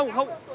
vâng mời ông